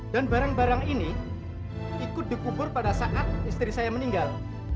dan barang barang ini ikut dikubur pada saat istri saya meninggal